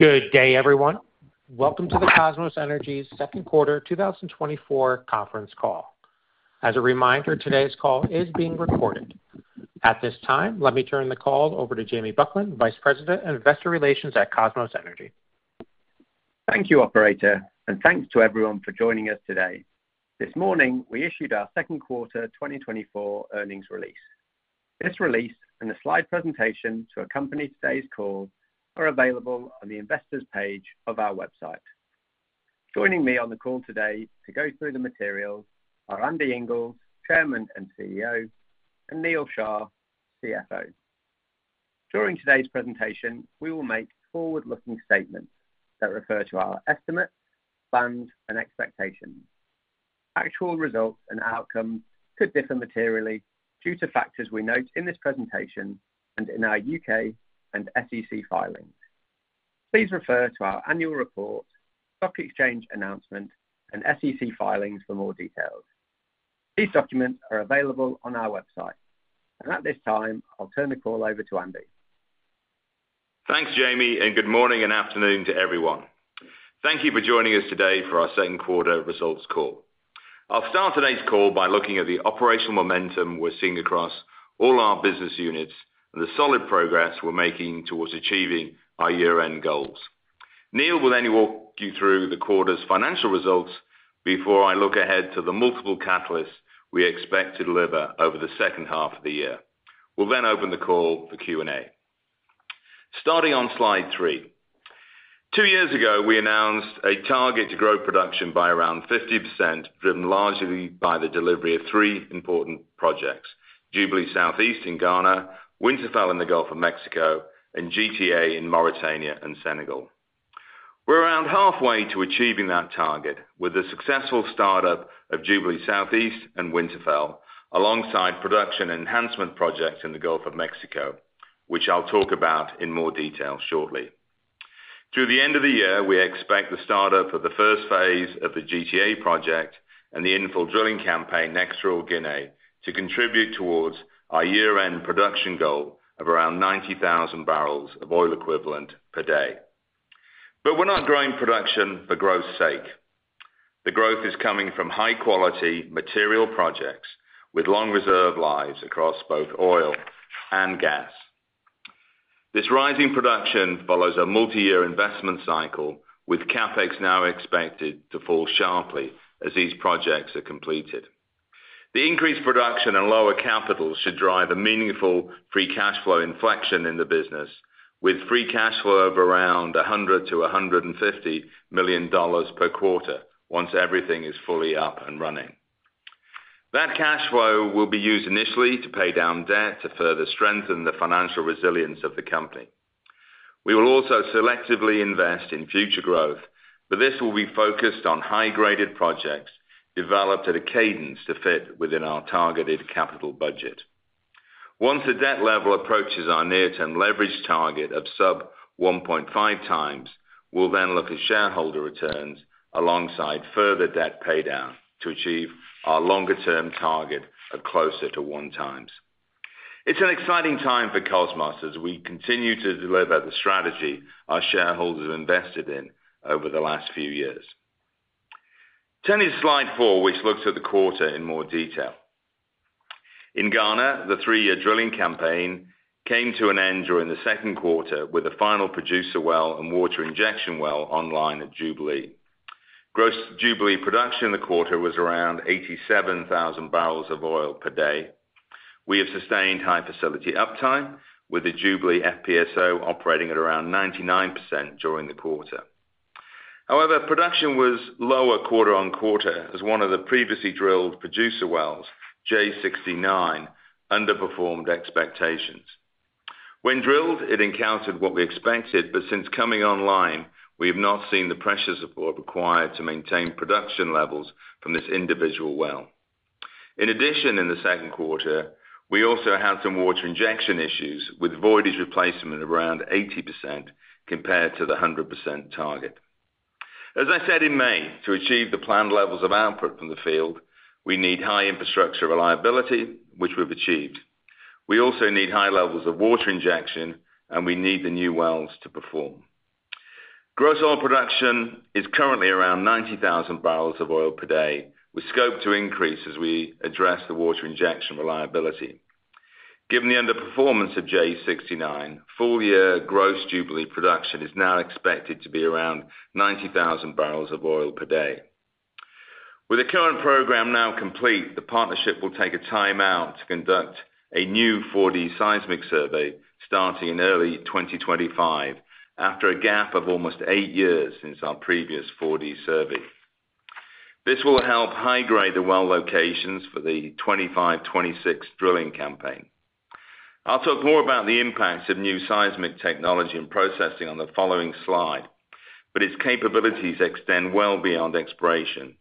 Good day, everyone. Welcome to the Kosmos Energy's second quarter 2024 conference call. As a reminder, today's call is being recorded. At this time, let me turn the call over to Jamie Buckland, Vice President of Investor Relations at Kosmos Energy. Thank you, operator, and thanks to everyone for joining us today. This morning, we issued our second quarter 2024 earnings release. This release and the slide presentation to accompany today's call are available on the Investors page of our website. Joining me on the call today to go through the materials are Andy Inglis, Chairman and CEO, and Neal Shah, CFO. During today's presentation, we will make forward-looking statements that refer to our estimates, plans, and expectations. Actual results and outcomes could differ materially due to factors we note in this presentation and in our UK and SEC filings. Please refer to our annual report, stock exchange announcement, and SEC filings for more details. These documents are available on our website, and at this time, I'll turn the call over to Andy. Thanks, Jamie, and good morning and afternoon to everyone. Thank you for joining us today for our second quarter results call. I'll start today's call by looking at the operational momentum we're seeing across all our business units and the solid progress we're making towards achieving our year-end goals. Neal will then walk you through the quarter's financial results before I look ahead to the multiple catalysts we expect to deliver over the second half of the year. We'll then open the call for Q&A. Starting on slide three. Two years ago, we announced a target to grow production by around 50%, driven largely by the delivery of three important projects: Jubilee South East in Ghana, Winterfell in the Gulf of Mexico, and GTA in Mauritania and Senegal. We're around halfway to achieving that target with the successful startup of Jubilee South East and Winterfell, alongside production enhancement projects in the Gulf of Mexico, which I'll talk about in more detail shortly. Through the end of the year, we expect the startup of the first phase of the GTA project and the infill drilling campaign in Equatorial Guinea to contribute towards our year-end production goal of around 90,000 barrels of oil equivalent per day. But we're not growing production for growth's sake. The growth is coming from high-quality material projects with long reserve lives across both oil and gas. This rising production follows a multi-year investment cycle, with CapEx now expected to fall sharply as these projects are completed. The increased production and lower capital should drive a meaningful free cash flow inflection in the business, with free cash flow of around $100-$150 million per quarter once everything is fully up and running. That cash flow will be used initially to pay down debt to further strengthen the financial resilience of the company. We will also selectively invest in future growth, but this will be focused on high-graded projects developed at a cadence to fit within our targeted capital budget. Once the debt level approaches our near-term leverage target of sub 1.5 times, we'll then look at shareholder returns alongside further debt paydown to achieve our longer-term target of closer to 1 times. It's an exciting time for Kosmos as we continue to deliver the strategy our shareholders have invested in over the last few years. Turning to slide 4, which looks at the quarter in more detail. In Ghana, the 3-year drilling campaign came to an end during the second quarter with a final producer well and water injection well online at Jubilee. Gross Jubilee production in the quarter was around 87,000 barrels of oil per day. We have sustained high facility uptime, with the Jubilee FPSO operating at around 99% during the quarter. However, production was lower quarter on quarter as one of the previously drilled producer wells, J-69, underperformed expectations. When drilled, it encountered what we expected, but since coming online, we have not seen the pressure support required to maintain production levels from this individual well. In addition, in the second quarter, we also had some water injection issues with voidage replacement of around 80% compared to the 100% target. As I said in May, to achieve the planned levels of output from the field, we need high infrastructure reliability, which we've achieved. We also need high levels of water injection, and we need the new wells to perform. Gross oil production is currently around 90,000 barrels of oil per day, with scope to increase as we address the water injection reliability. Given the underperformance of J-69, full-year gross Jubilee production is now expected to be around 90,000 barrels of oil per day. With the current program now complete, the partnership will take a timeout to conduct a new 4D seismic survey starting in early 2025, after a gap of almost 8 years since our previous 4D survey. This will help high-grade the well locations for the 25, 26 drilling campaign. I'll talk more about the impacts of new seismic technology and processing on the following slide, but its capabilities extend well beyond exploration,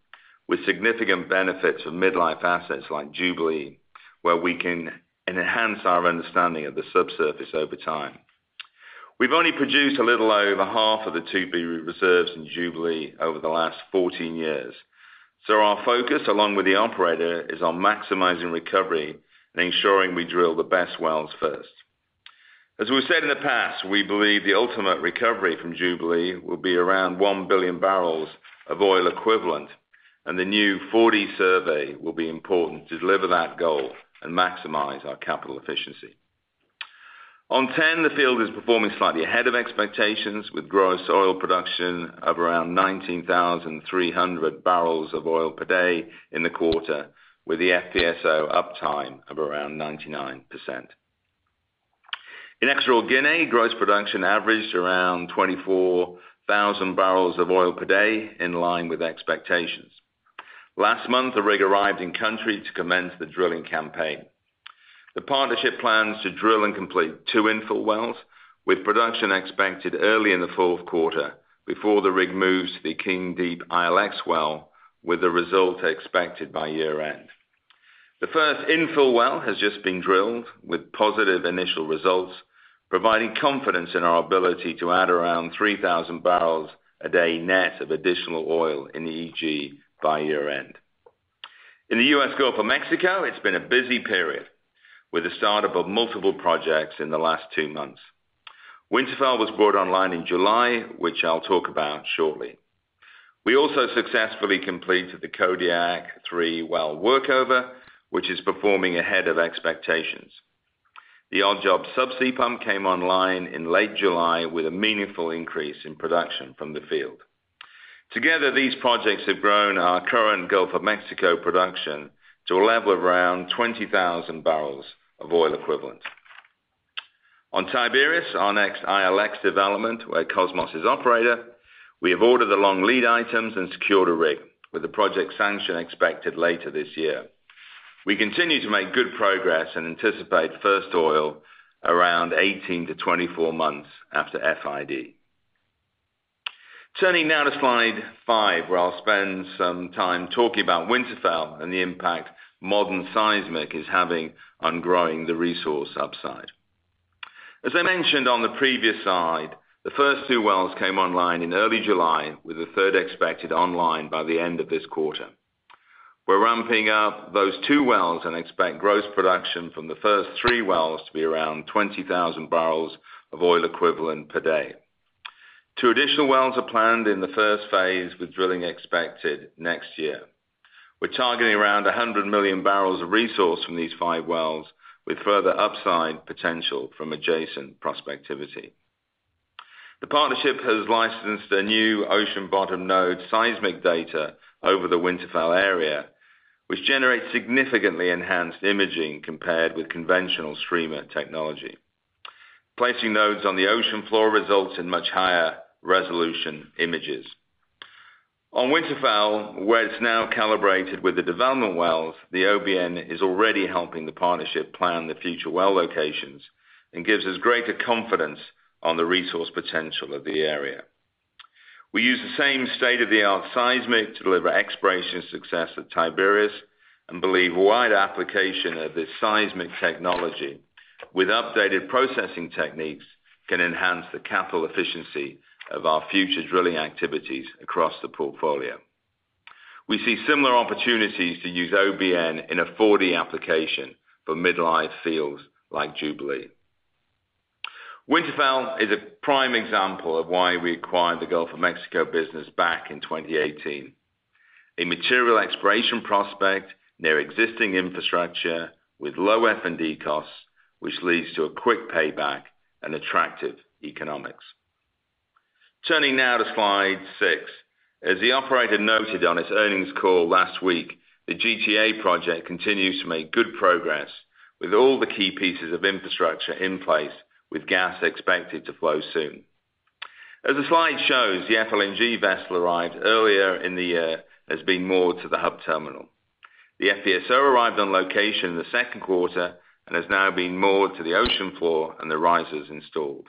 with significant benefits of mid-life assets like Jubilee, where we can enhance our understanding of the subsurface over time. We've only produced a little over half of the 2P reserves in Jubilee over the last 14 years.... So our focus, along with the operator, is on maximizing recovery and ensuring we drill the best wells first. As we've said in the past, we believe the ultimate recovery from Jubilee will be around 1 billion barrels of oil equivalent, and the new 4D survey will be important to deliver that goal and maximize our capital efficiency. On TEN, the field is performing slightly ahead of expectations, with gross oil production of around 19,300 barrels of oil per day in the quarter, with the FPSO uptime of around 99%. In Equatorial Guinea, gross production averaged around 24,000 barrels of oil per day, in line with expectations. Last month, the rig arrived in country to commence the drilling campaign. The partnership plans to drill and complete 2 infill wells, with production expected early in the fourth quarter before the rig moves to the Akeng Deep ILX well, with the result expected by year-end. The first infill well has just been drilled with positive initial results, providing confidence in our ability to add around 3,000 barrels a day net of additional oil in EG by year-end. In the US Gulf of Mexico, it's been a busy period, with the startup of multiple projects in the last two months. Winterfell was brought online in July, which I'll talk about shortly. We also successfully completed the Kodiak-3 well workover, which is performing ahead of expectations. The Odd Job subsea pump came online in late July with a meaningful increase in production from the field. Together, these projects have grown our current Gulf of Mexico production to a level of around 20,000 barrels of oil equivalent. On Tiberius, our next ILX development, where Kosmos is operator, we have ordered the long lead items and secured a rig, with the project sanction expected later this year. We continue to make good progress and anticipate first oil around 18-24 months after FID. Turning now to slide 5, where I'll spend some time talking about Winterfell and the impact modern seismic is having on growing the resource upside. As I mentioned on the previous slide, the first 2 wells came online in early July, with the third expected online by the end of this quarter. We're ramping up those 2 wells and expect gross production from the first 3 wells to be around 20,000 barrels of oil equivalent per day. 2 additional wells are planned in the first phase, with drilling expected next year. We're targeting around 100 million barrels of resource from these 5 wells, with further upside potential from adjacent prospectivity. The partnership has licensed a new ocean bottom node seismic data over the Winterfell area, which generates significantly enhanced imaging compared with conventional streamer technology. Placing nodes on the ocean floor results in much higher resolution images. On Winterfell, where it's now calibrated with the development wells, the OBN is already helping the partnership plan the future well locations and gives us greater confidence on the resource potential of the area. We use the same state-of-the-art seismic to deliver exploration success at Tiberius and believe wide application of this seismic technology with updated processing techniques can enhance the capital efficiency of our future drilling activities across the portfolio. We see similar opportunities to use OBN in a 4D application for mid-life fields like Jubilee. Winterfell is a prime example of why we acquired the Gulf of Mexico business back in 2018. A material exploration prospect, near existing infrastructure with low F&D costs, which leads to a quick payback and attractive economics. Turning now to slide 6. As the operator noted on its earnings call last week, the GTA project continues to make good progress with all the key pieces of infrastructure in place, with gas expected to flow soon. As the slide shows, the FLNG vessel arrived earlier in the year, has been moored to the hub terminal. The FPSO arrived on location in the second quarter and has now been moored to the ocean floor and the risers installed.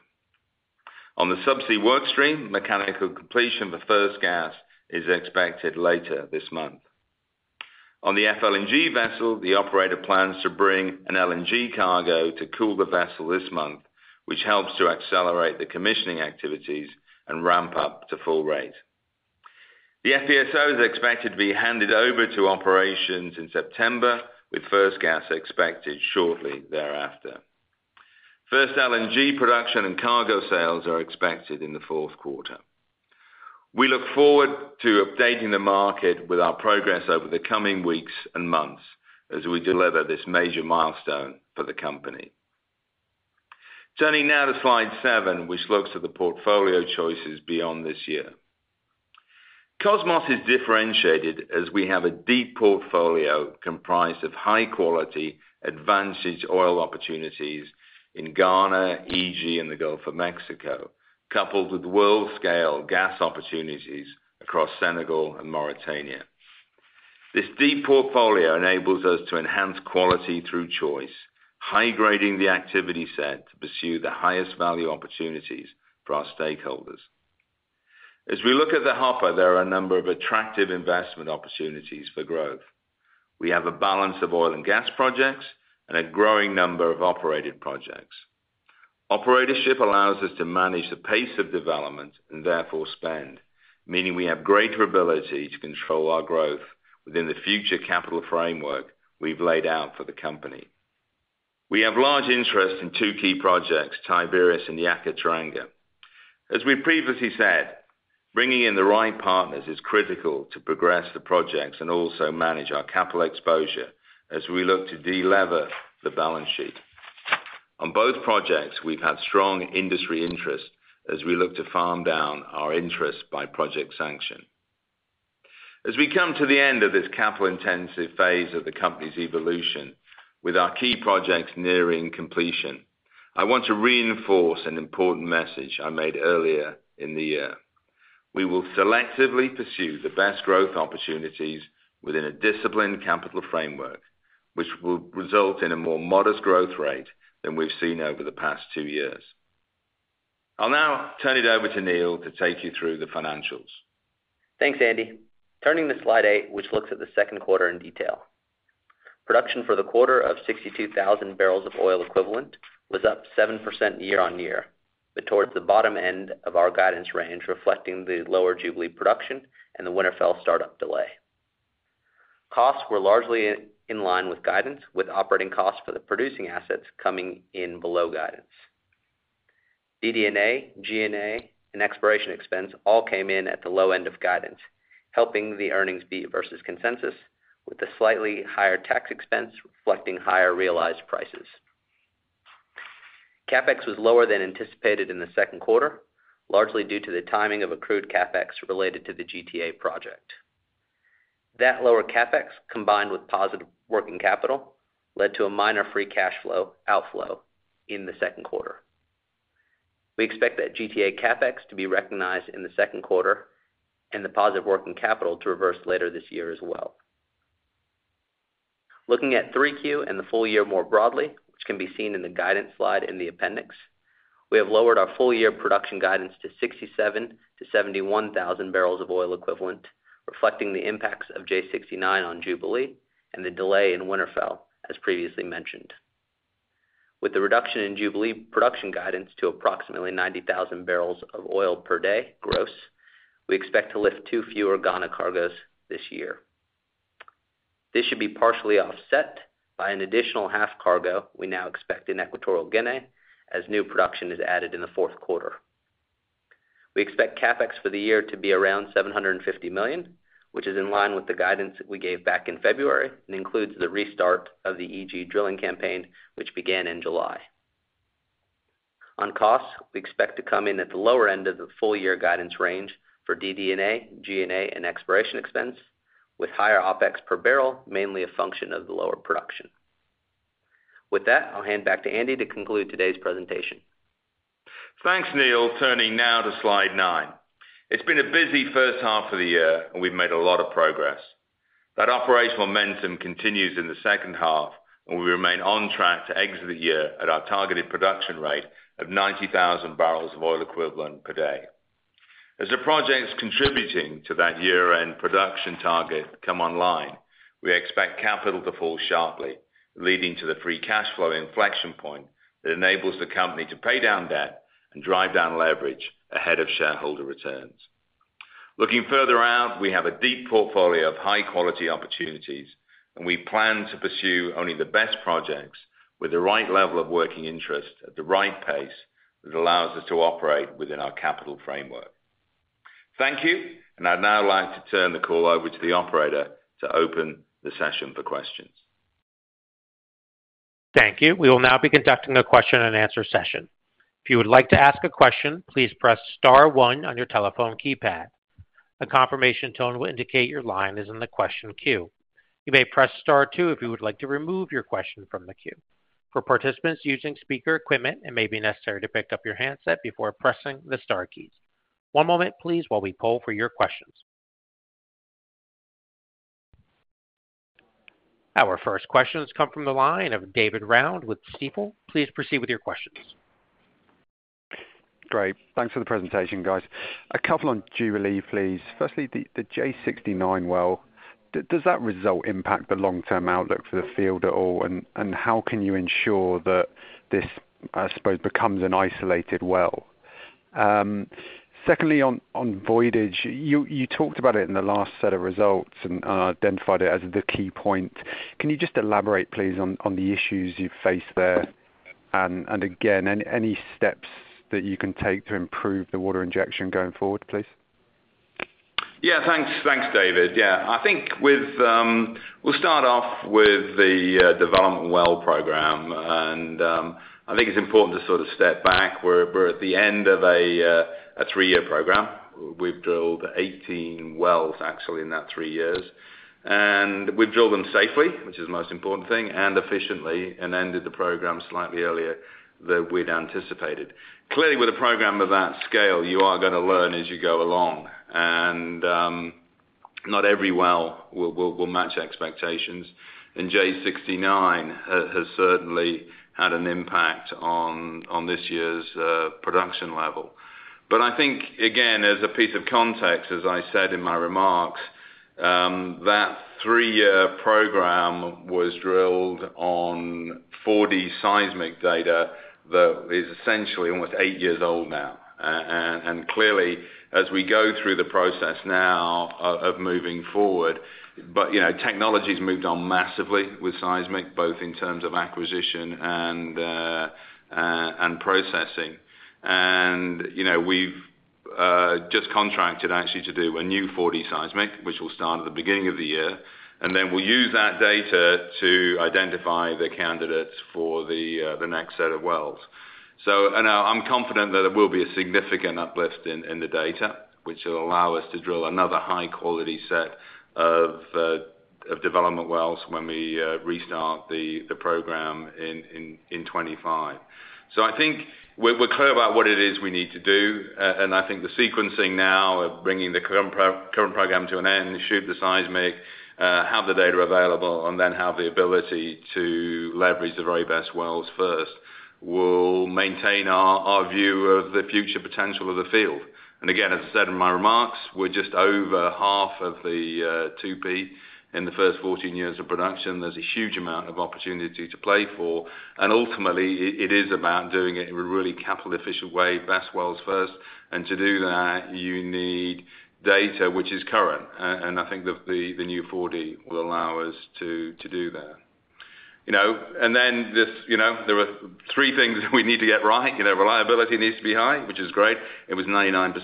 On the subsea work stream, mechanical completion for first gas is expected later this month. On the FLNG vessel, the operator plans to bring an LNG cargo to cool the vessel this month, which helps to accelerate the commissioning activities and ramp up to full rate. The FPSO is expected to be handed over to operations in September, with first gas expected shortly thereafter. First LNG production and cargo sales are expected in the fourth quarter. We look forward to updating the market with our progress over the coming weeks and months as we deliver this major milestone for the company. Turning now to slide 7, which looks at the portfolio choices beyond this year. Kosmos is differentiated as we have a deep portfolio comprised of high-quality, advantage oil opportunities in Ghana, EG, and the Gulf of Mexico, coupled with world-scale gas opportunities across Senegal and Mauritania. This deep portfolio enables us to enhance quality through choice, high-grading the activity set to pursue the highest value opportunities for our stakeholders. As we look at the hopper, there are a number of attractive investment opportunities for growth. We have a balance of oil and gas projects and a growing number of operated projects.... Operatorship allows us to manage the pace of development and therefore spend, meaning we have greater ability to control our growth within the future capital framework we've laid out for the company. We have large interest in two key projects, Tiberius and Yakaar-Teranga. As we've previously said, bringing in the right partners is critical to progress the projects and also manage our capital exposure as we look to de-lever the balance sheet. On both projects, we've had strong industry interest as we look to farm down our interest by project sanction. As we come to the end of this capital-intensive phase of the company's evolution, with our key projects nearing completion, I want to reinforce an important message I made earlier in the year. We will selectively pursue the best growth opportunities within a disciplined capital framework, which will result in a more modest growth rate than we've seen over the past two years. I'll now turn it over to Neal to take you through the financials. Thanks, Andy. Turning to Slide 8, which looks at the second quarter in detail. Production for the quarter of 62,000 barrels of oil equivalent was up 7% year-on-year, but towards the bottom end of our guidance range, reflecting the lower Jubilee production and the Winterfell startup delay. Costs were largely in line with guidance, with operating costs for the producing assets coming in below guidance. DD&A, G&A, and exploration expense all came in at the low end of guidance, helping the earnings beat versus consensus, with the slightly higher tax expense reflecting higher realized prices. CapEx was lower than anticipated in the second quarter, largely due to the timing of accrued CapEx related to the GTA project. That lower CapEx, combined with positive working capital, led to a minor free cash flow outflow in the second quarter. We expect that GTA CapEx to be recognized in the second quarter and the positive working capital to reverse later this year as well. Looking at 3Q and the full year more broadly, which can be seen in the guidance slide in the appendix, we have lowered our full-year production guidance to 67,000-71,000 barrels of oil equivalent, reflecting the impacts of J-69 on Jubilee and the delay in Winterfell, as previously mentioned. With the reduction in Jubilee production guidance to approximately 90,000 barrels of oil per day gross, we expect to lift two fewer Ghana cargoes this year. This should be partially offset by an additional half cargo we now expect in Equatorial Guinea, as new production is added in the fourth quarter. We expect CapEx for the year to be around $750 million, which is in line with the guidance that we gave back in February and includes the restart of the EG drilling campaign, which began in July. On costs, we expect to come in at the lower end of the full year guidance range for DD&A, G&A, and exploration expense, with higher OpEx per barrel, mainly a function of the lower production. With that, I'll hand back to Andy to conclude today's presentation. Thanks, Neal. Turning now to Slide 9. It's been a busy first half of the year, and we've made a lot of progress. That operational momentum continues in the second half, and we remain on track to exit the year at our targeted production rate of 90,000 barrels of oil equivalent per day. As the projects contributing to that year-end production target come online, we expect capital to fall sharply, leading to the free cash flow inflection point that enables the company to pay down debt and drive down leverage ahead of shareholder returns. Looking further out, we have a deep portfolio of high-quality opportunities, and we plan to pursue only the best projects with the right level of working interest at the right pace that allows us to operate within our capital framework. Thank you, and I'd now like to turn the call over to the operator to open the session for questions. Thank you. We will now be conducting a question-and-answer session. If you would like to ask a question, please press star one on your telephone keypad. A confirmation tone will indicate your line is in the question queue. You may press Star two if you would like to remove your question from the queue. For participants using speaker equipment, it may be necessary to pick up your handset before pressing the star keys. One moment, please, while we poll for your questions. Our first questions come from the line of David Round with Stifel. Please proceed with your questions. Great. Thanks for the presentation, guys. A couple on Jubilee, please. Firstly, the J-69 well, does that result impact the long-term outlook for the field at all? And how can you ensure that this, I suppose, becomes an isolated well? Secondly, on voidage, you talked about it in the last set of results and identified it as the key point. Can you just elaborate, please, on the issues you face there? And again, any steps that you can take to improve the water injection going forward, please? Yeah, thanks. Thanks, David. Yeah, I think with... We'll start off with the development well program, and I think it's important to sort of step back. We're at the end of a 3-year program. We've drilled 18 wells, actually, in that 3 years, and we've drilled them safely, which is the most important thing, and efficiently, and ended the program slightly earlier than we'd anticipated. Clearly, with a program of that scale, you are gonna learn as you go along, and not every well will match expectations. And J-69 has certainly had an impact on this year's production level. But I think, again, as a piece of context, as I said in my remarks, that 3-year program was drilled on 4D seismic data that is essentially almost 8 years old now. And clearly, as we go through the process now of moving forward, but, you know, technology has moved on massively with seismic, both in terms of acquisition and processing. And, you know, we've just contracted actually to do a new 4D seismic, which will start at the beginning of the year, and then we'll use that data to identify the candidates for the next set of wells. So now I'm confident that it will be a significant uplift in the data, which will allow us to drill another high-quality set of development wells when we restart the program in 2025. So I think we're clear about what it is we need to do, and I think the sequencing now of bringing the current program to an end, shoot the seismic, have the data available, and then have the ability to leverage the very best wells first, will maintain our view of the future potential of the field. And again, as I said in my remarks, we're just over half of the 2P in the first 14 years of production. There's a huge amount of opportunity to play for, and ultimately, it is about doing it in a really capital-efficient way, best wells first. And to do that, you need data, which is current. And I think the new 4D will allow us to do that. You know, and then this, you know, there are three things we need to get right. You know, reliability needs to be high, which is great. It was 99%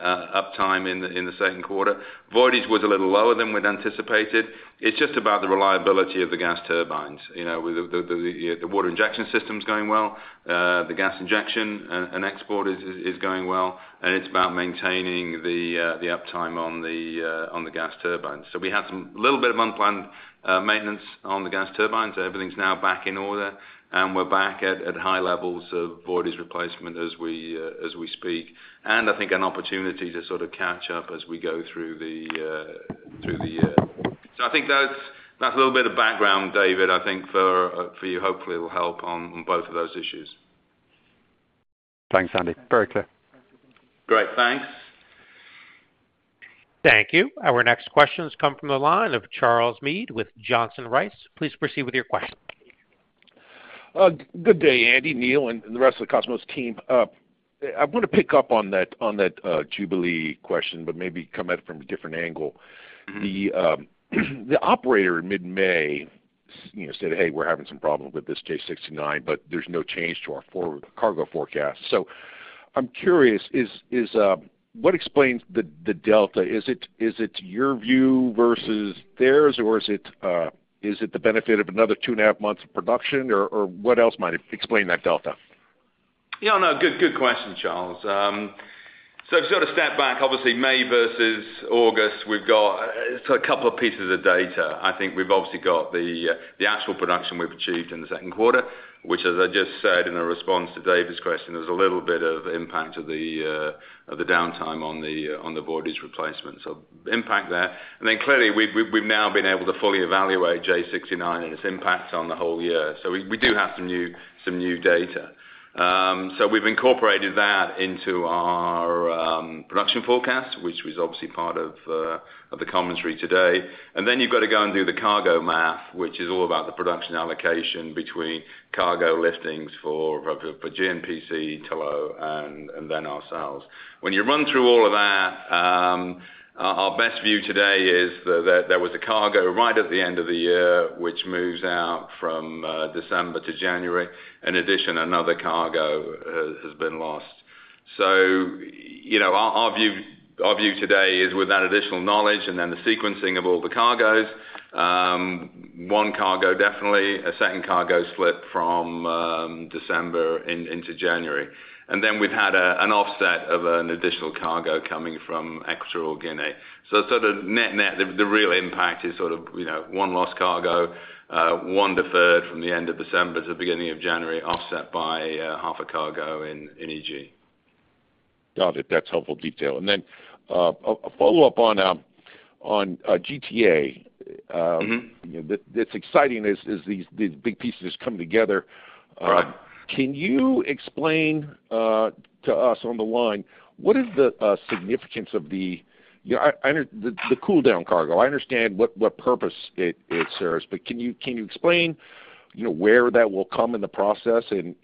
uptime in the second quarter. Voidage was a little lower than we'd anticipated. It's just about the reliability of the gas turbines. You know, the water injection system is going well, the gas injection and export is going well, and it's about maintaining the uptime on the gas turbines. So we had some little bit of unplanned maintenance on the gas turbines. So everything's now back in order, and we're back at high levels of voidage replacement as we speak, and I think an opportunity to sort of catch up as we go through the year. So I think that's a little bit of background, David, I think for you. Hopefully, it will help on both of those issues. Thanks, Andy. Very clear. Great. Thanks. Thank you. Our next questions come from the line of Charles Meade with Johnson Rice. Please proceed with your question. Good day, Andy, Neal, and the rest of the Kosmos team. I want to pick up on that, on that, Jubilee question, but maybe come at it from a different angle. Mm-hmm. The operator in mid-May, you know, said, "Hey, we're having some problems with this J-69, but there's no change to our forward cargo forecast." So I'm curious. What explains the delta? Is it your view versus theirs, or is it the benefit of another two and a half months of production, or what else might explain that delta? Yeah, no, good, good question, Charles. So if you sort of step back, obviously, May versus August, we've got a couple of pieces of data. I think we've obviously got the actual production we've achieved in the second quarter, which, as I just said in a response to David's question, there's a little bit of impact of the downtime on the voidage replacement. So impact there, and then clearly, we've now been able to fully evaluate J69 and its impacts on the whole year. So we do have some new data. So we've incorporated that into our production forecast, which was obviously part of the commentary today. And then you've got to go and do the cargo math, which is all about the production allocation between cargo listings for GNPC, Tullow, and then ourselves. When you run through all of that, our best view today is that there was a cargo right at the end of the year, which moves out from December to January. In addition, another cargo has been lost. So, you know, our view today is with that additional knowledge and then the sequencing of all the cargoes, one cargo definitely, a second cargo slipped from December into January. And then we've had an offset of an additional cargo coming from Equatorial Guinea. So sort of net-net, the real impact is sort of, you know, one lost cargo, one deferred from the end of December to the beginning of January, offset by half a cargo in EG. Got it. That's helpful detail. And then, a follow-up on GTA. Mm-hmm. That's exciting, as these big pieces come together. Right. Can you explain to us on the line what is the significance of the... You know, I know the cool down cargo. I understand what purpose it serves, but can you explain, you know, where that will come in the process and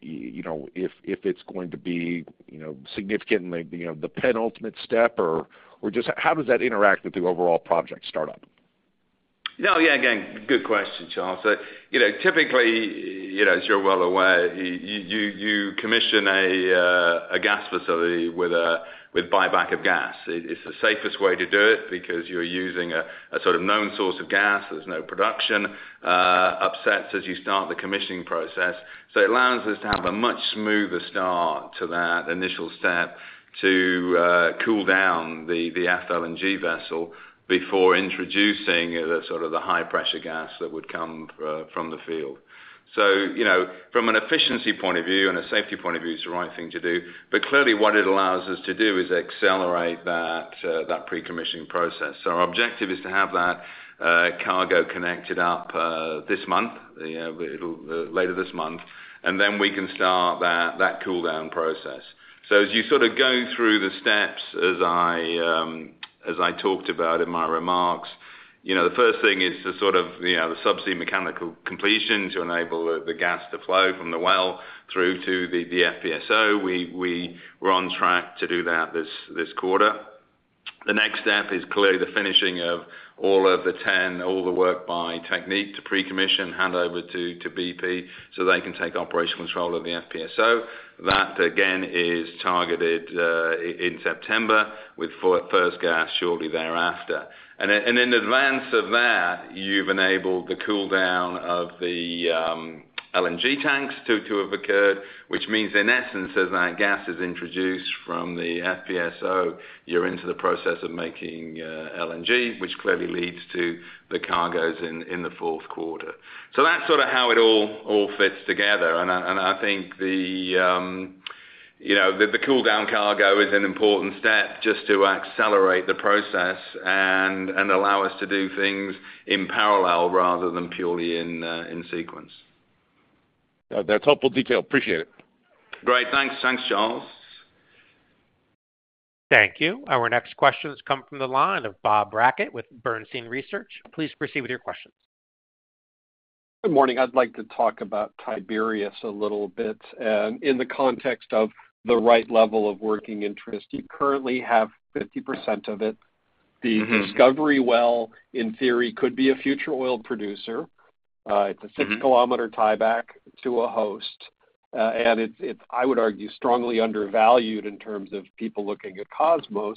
you know, if it's going to be, you know, significantly, you know, the penultimate step, or just how does that interact with the overall project startup? No, yeah, again, good question, Charles. So you know, typically, you know, as you're well aware, you commission a gas facility with buyback of gas. It's the safest way to do it because you're using a sort of known source of gas. There's no production upsets as you start the commissioning process. So it allows us to have a much smoother start to that initial step to cool down the FLNG vessel before introducing the sort of high-pressure gas that would come from the field. So, you know, from an efficiency point of view and a safety point of view, it's the right thing to do. But clearly, what it allows us to do is accelerate that pre-commissioning process. So our objective is to have that cargo connected up this month, later this month, and then we can start that cool down process. So as you sort of go through the steps, as I talked about in my remarks, you know, the first thing is to sort of, you know, the subsea mechanical completion, to enable the gas to flow from the well through to the FPSO. We're on track to do that this quarter. The next step is clearly the finishing of all the work by TechnipFMC to pre-commission, hand over to BP, so they can take operational control of the FPSO. That, again, is targeted in September, with first gas shortly thereafter. And in advance of that, you've enabled the cool down of the LNG tanks to have occurred, which means, in essence, as that gas is introduced from the FPSO, you're into the process of making LNG, which clearly leads to the cargoes in the fourth quarter. So that's sort of how it all fits together. And I think the cool down cargo is an important step just to accelerate the process and allow us to do things in parallel rather than purely in sequence. That's helpful detail. Appreciate it. Great. Thanks. Thanks, Charles. Thank you. Our next question has come from the line of Bob Brackett with Bernstein Research. Please proceed with your questions. Good morning. I'd like to talk about Tiberius a little bit, and in the context of the right level of working interest. You currently have 50% of it. Mm-hmm. The discovery well, in theory, could be a future oil producer. Mm-hmm. It's a six-kilometer tieback to a host. And it's, I would argue, strongly undervalued in terms of people looking at Kosmos.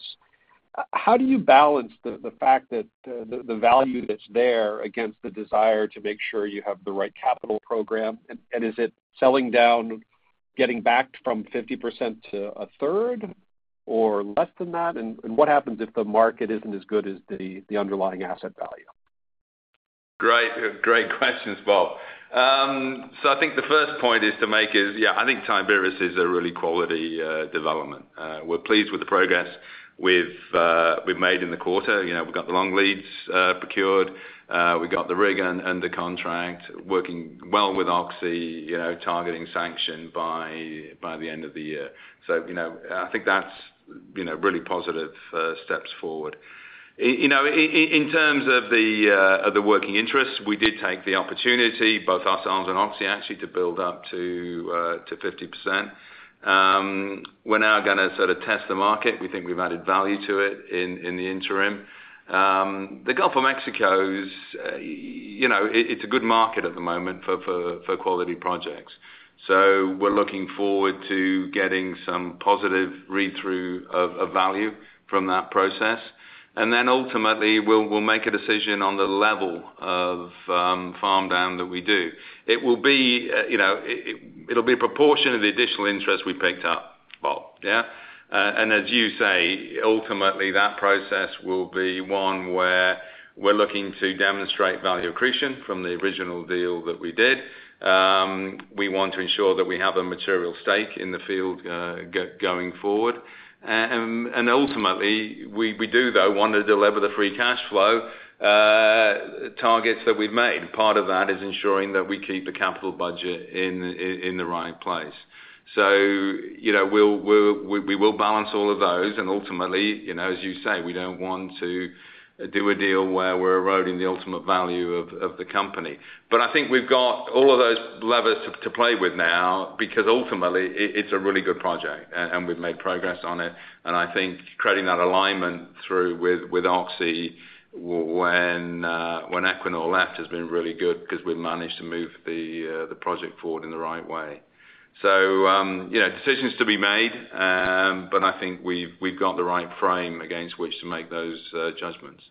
How do you balance the fact that the value that's there against the desire to make sure you have the right capital program? And is it selling down, getting back from 50% to a third or less than that? And what happens if the market isn't as good as the underlying asset value? Great, great questions, Bob. So I think the first point is to make is, yeah, I think Tiberius is a really quality development. We're pleased with the progress we've made in the quarter. You know, we've got the long leads procured. We've got the rig under contract, working well with Oxy, you know, targeting sanction by the end of the year. So, you know, I think that's really positive steps forward. You know, in terms of the working interest, we did take the opportunity, both ourselves and Oxy, actually, to build up to 50%. We're now gonna sort of test the market. We think we've added value to it in the interim. The Gulf of Mexico is, you know, it's a good market at the moment for quality projects. So we're looking forward to getting some positive read-through of value from that process. And then ultimately, we'll make a decision on the level of farm down that we do. It will be, you know, it'll be a proportion of the additional interest we picked up, Bob. Yeah? And as you say, ultimately, that process will be one where we're looking to demonstrate value accretion from the original deal that we did. We want to ensure that we have a material stake in the field going forward. And ultimately, we do, though, want to deliver the free cash flow targets that we've made. Part of that is ensuring that we keep the capital budget in the right place. So, you know, we will balance all of those, and ultimately, you know, as you say, we don't want to do a deal where we're eroding the ultimate value of the company. But I think we've got all of those levers to play with now, because ultimately, it's a really good project, and we've made progress on it. And I think creating that alignment through with Oxy, when Equinor left, has been really good because we've managed to move the project forward in the right way. So, you know, decisions to be made, but I think we've got the right frame against which to make those judgments.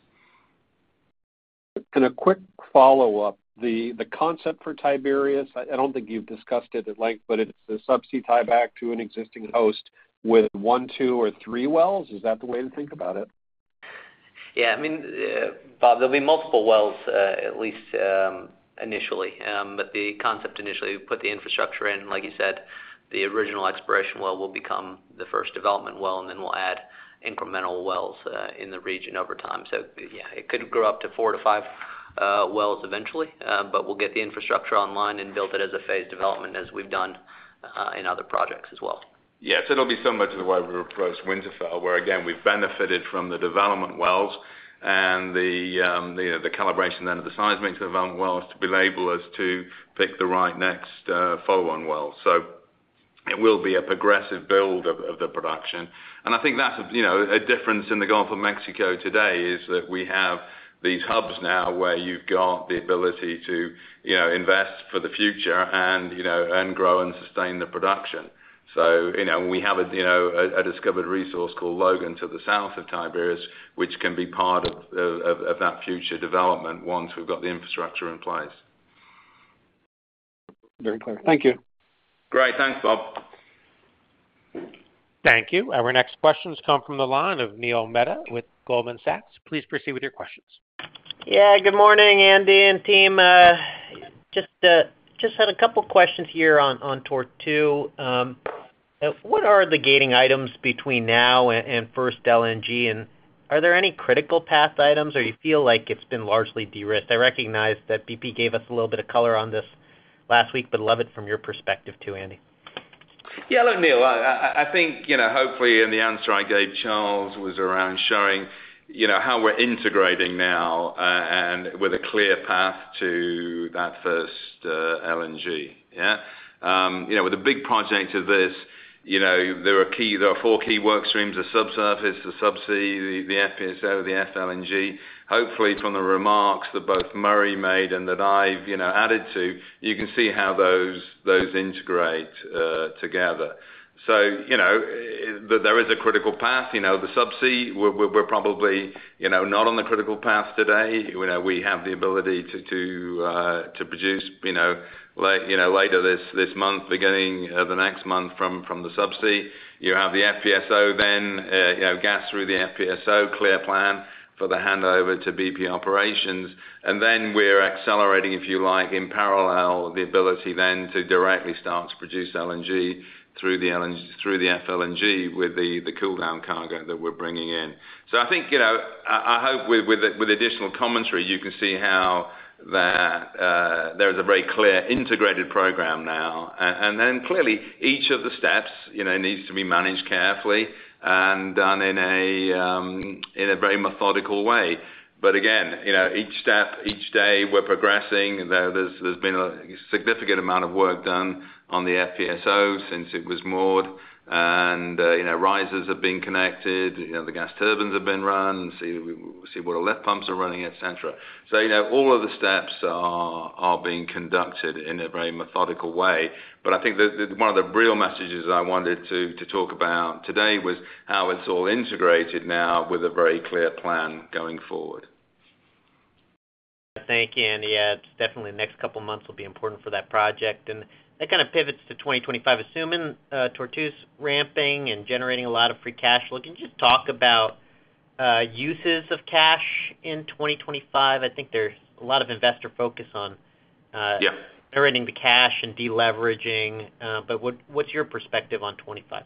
A quick follow-up. The concept for Tiberius, I don't think you've discussed it at length, but it's a subsea tie back to an existing host with one, two, or three wells. Is that the way to think about it? Yeah. I mean, Bob, there'll be multiple wells, at least, initially. But the concept initially, we put the infrastructure in, like you said, the original exploration well will become the first development well, and then we'll add incremental wells, in the region over time. So yeah, it could grow up to 4-5 wells eventually. But we'll get the infrastructure online and built it as a phased development as we've done, in other projects as well. Yes, it'll be similar to the way we approached Winterfell, where, again, we've benefited from the development wells and the calibration then of the seismic development wells to enable us to pick the right next follow-on well. So it will be a progressive build of the production. And I think that's, you know, a difference in the Gulf of Mexico today, is that we have these hubs now where you've got the ability to, you know, invest for the future and, you know, and grow and sustain the production. So, you know, we have a discovered resource called Logan to the south of Tiberius, which can be part of that future development once we've got the infrastructure in place. Very clear. Thank you. Great. Thanks, Bob. Thank you. Our next questions come from the line of Neil Mehta with Goldman Sachs. Please proceed with your questions. Yeah, good morning, Andy and team. Just, just had a couple questions here on, on Tortue. What are the gating items between now and, and first LNG? And are there any critical path items, or you feel like it's been largely de-risked? I recognize that BP gave us a little bit of color on this last week, but love it from your perspective, too, Andy. Yeah, look, Neil, I think, you know, hopefully in the answer I gave Charles was around showing, you know, how we're integrating now, and with a clear path to that first LNG. Yeah? You know, with a big project of this, you know, there are four key work streams: the subsurface, the subsea, the FPSO, the FLNG. Hopefully, from the remarks that both Murray made and that I've, you know, added to, you can see how those integrate together. So, you know, there is a critical path. You know, the subsea, we're probably, you know, not on the critical path today. You know, we have the ability to produce, you know, like, later this month, beginning of the next month from the subsea. You have the FPSO then, you know, gas through the FPSO, clear plan for the handover to BP operations. And then we're accelerating, if you like, in parallel, the ability then to directly start to produce LNG through the LNG - through the FLNG with the cool down cargo that we're bringing in. So I think, you know, I hope with additional commentary, you can see how that there is a very clear integrated program now. And then clearly, each of the steps, you know, needs to be managed carefully and done in a very methodical way. But again, you know, each step, each day, we're progressing. There's been a significant amount of work done on the FPSO since it was moored, and you know, risers have been connected, you know, the gas turbines have been run, seawater lift pumps are running, et cetera. So, you know, all of the steps are being conducted in a very methodical way. But I think the one of the real messages I wanted to talk about today was how it's all integrated now with a very clear plan going forward. Thank you, Andy. Yeah, it's definitely the next couple of months will be important for that project, and that kind of pivots to 2025. Assuming, Tortue's ramping and generating a lot of free cash flow, can you just talk about, uses of cash in 2025? I think there's a lot of investor focus on, Yeah... generating the cash and deleveraging, but what, what's your perspective on 25?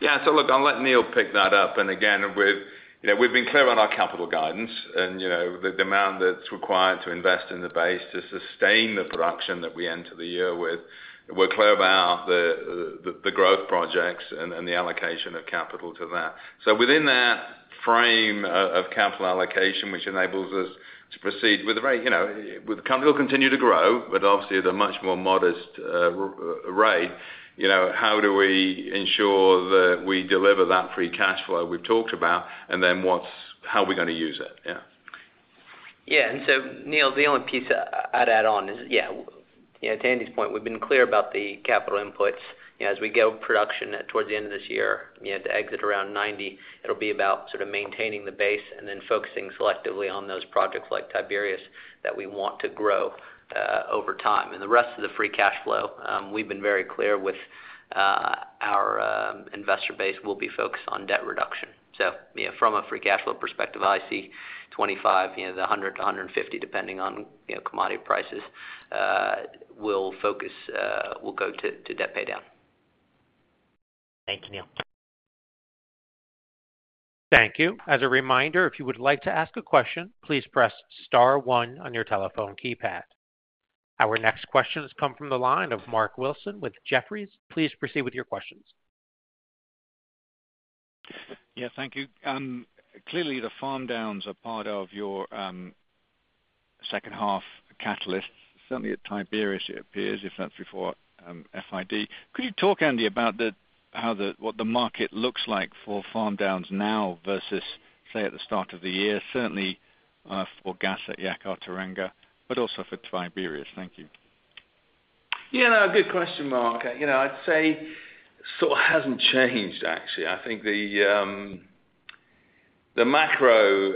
Yeah. So look, I'll let Neil pick that up. And again, we've, you know, we've been clear on our capital guidance and, you know, the demand that's required to invest in the base to sustain the production that we enter the year with. We're clear about the growth projects and the allocation of capital to that. So within that frame of capital allocation, which enables us to proceed with a very, you know, with the company will continue to grow, but obviously at a much more modest rate. You know, how do we ensure that we deliver that free cash flow we've talked about? And then, what's how are we gonna use it? Yeah. Yeah. So Neil, the only piece I'd add on is, yeah, you know, to Andy's point, we've been clear about the capital inputs. You know, as we go production towards the end of this year, you know, to exit around 90, it'll be about sort of maintaining the base and then focusing selectively on those projects like Tiberius, that we want to grow over time. And the rest of the free cash flow, we've been very clear with our investor base will be focused on debt reduction. So, you know, from a free cash flow perspective, I see $25, you know, the $100-$150, depending on, you know, commodity prices, will focus, will go to debt pay down. Thanks, Neal. Thank you. As a reminder, if you would like to ask a question, please press star one on your telephone keypad. Our next question has come from the line of Mark Wilson with Jefferies. Please proceed with your questions. Yeah, thank you. Clearly, the farm downs are part of your second half catalyst. Certainly at Tiberius, it appears, if not before, FID. Could you talk, Andy, about the—how the, what the market looks like for farm downs now versus, say, at the start of the year? Certainly, for gas at Yakaar-Teranga, but also for Tiberius. Thank you. Yeah, no, good question, Mark. You know, I'd say sort of hasn't changed, actually. I think the macro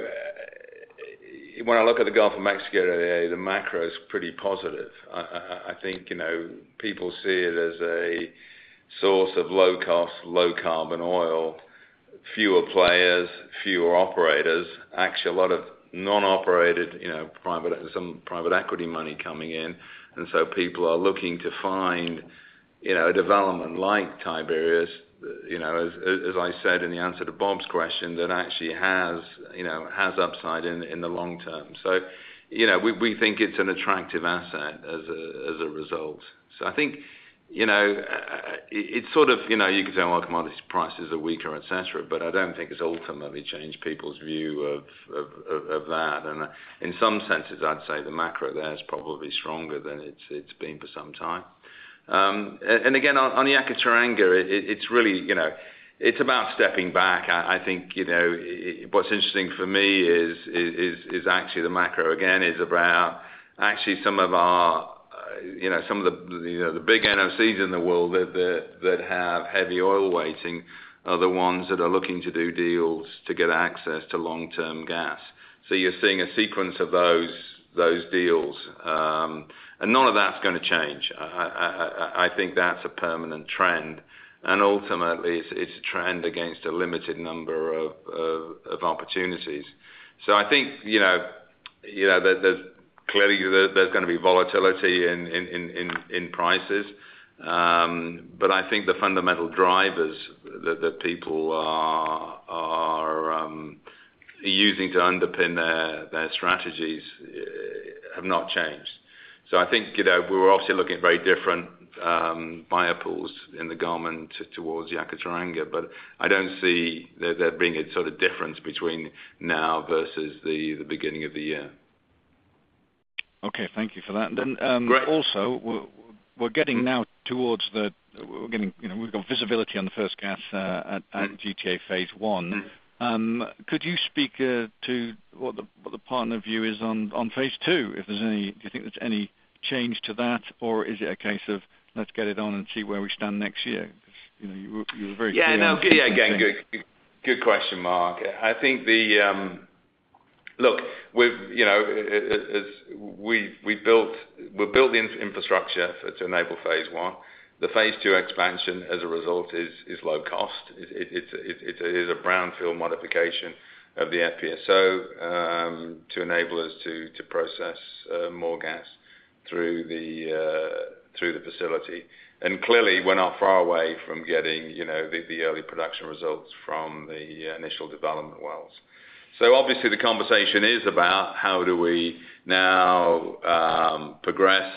when I look at the Gulf of Mexico area, the macro is pretty positive. I think, you know, people see it as a source of low cost, low carbon oil, fewer players, fewer operators, actually a lot of non-operated, you know, private, some private equity money coming in. And so people are looking to find, you know, a development like Tiberius, you know, as, as I said in the answer to Bob's question, that actually has, you know, has upside in, in the long term. So, you know, we, we think it's an attractive asset as a, as a result. So I think, you know, it's sort of, you know, you could say, well, commodity prices are weaker, et cetera, but I don't think it's ultimately changed people's view of that. And in some senses, I'd say the macro there is probably stronger than it's been for some time. And again, on the Yakaar-Teranga, it's really, you know, it's about stepping back. I think, you know, what's interesting for me is actually the macro again, is about actually some of our, you know, some of the, you know, the big NOCs in the world that have heavy oil weighting are the ones that are looking to do deals to get access to long-term gas. So you're seeing a sequence of those deals, and none of that's gonna change. I think that's a permanent trend, and ultimately, it's a trend against a limited number of opportunities. So I think, you know, you know, there's clearly gonna be volatility in prices. But I think the fundamental drivers that people are using to underpin their strategies have not changed. So I think, you know, we're obviously looking at very different buyer pools in the government towards Yakaar-Teranga, but I don't see there being a sort of difference between now versus the beginning of the year. Okay, thank you for that. Great. Also, we're getting, you know, we've got visibility on the first gas at GTA Phase One. Mm-hmm. Could you speak to what the partner view is on Phase Two? If there's any-- do you think there's any change to that, or is it a case of let's get it on and see where we stand next year? You know, you were very clear- Yeah, no, again, good, good question, Mark. I think the, Look, we've, you know, as we've built the infrastructure to enable Phase One. The Phase Two expansion, as a result, is low cost. It is a brownfield modification of the FPSO to enable us to process more gas through the facility. And clearly, we're not far away from getting, you know, the early production results from the initial development wells. So obviously, the conversation is about how do we now progress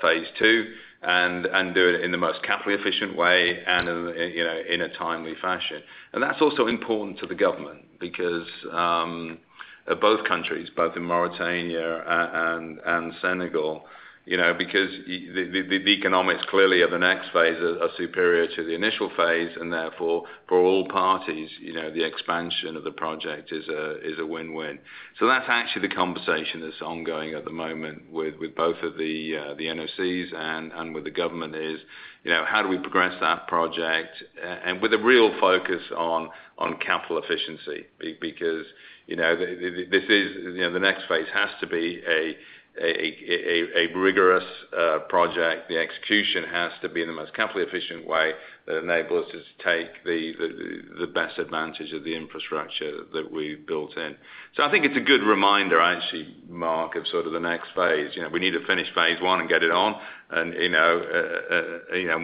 Phase Two, and do it in the most capital-efficient way and in, you know, in a timely fashion? And that's also important to the government because both countries, both in Mauritania and Senegal, you know, because the economics clearly of the next phase are superior to the initial phase, and therefore, for all parties, you know, the expansion of the project is a win-win. So that's actually the conversation that's ongoing at the moment with both of the NOCs and with the government is, you know, how do we progress that project and with a real focus on capital efficiency? Because, you know, this is, you know, the next phase has to be a rigorous project. The execution has to be in the most capital-efficient way that enables us to take the best advantage of the infrastructure that we've built in. So I think it's a good reminder, actually, Mark, of sort of the next phase. You know, we need to finish Phase One and get it on and, you know,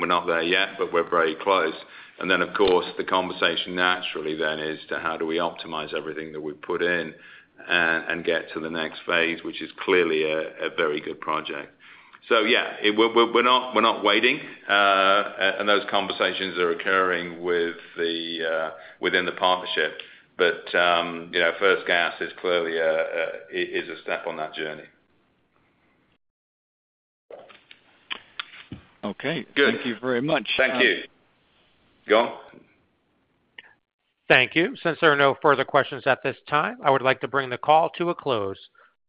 we're not there yet, but we're very close. And then, of course, the conversation naturally then is to how do we optimize everything that we've put in and get to the next phase, which is clearly a very good project. So yeah, we're not waiting, and those conversations are occurring within the partnership. But, you know, first gas is clearly it is a step on that journey. Okay. Good. Thank you very much. Thank you. Go on. Thank you. Since there are no further questions at this time, I would like to bring the call to a close.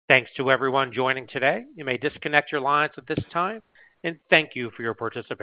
Thanks to everyone joining today. You may disconnect your lines at this time, and thank you for your participation.